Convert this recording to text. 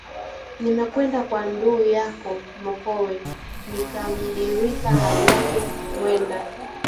“Nimekwenda kwa ndu’ yako Mokowe, nikamdirika hali yake hwenda